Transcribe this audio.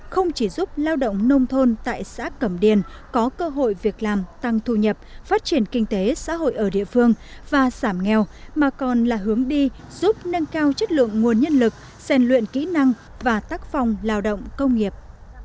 không chỉ giúp lao động nông thôn tại xã cầm điền có cơ hội việc làm tăng thu nhập phát triển kinh tế xã hội ở địa phương và giảm nghèo mà còn là hướng đi giúp nâng cao chất lượng nguồn nhân lực rèn luyện kỹ năng và tác phòng lao động công nghiệp